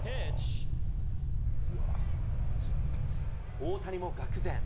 大谷もがく然。